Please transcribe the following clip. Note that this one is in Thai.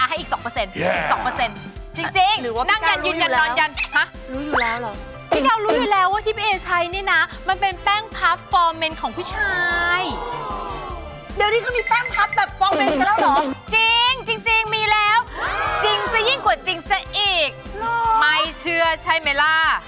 พี่เก้ารู้อยู่แล้วว่าทิเบนเอใช้เนี่ยนะมันเป็นแป้งปรับโฟร์เมนต์ของผู้ชายเดี๋ยวนี้เขามีแป้งปรับแบบโฟร์เมนต์กันแล้วเหรอ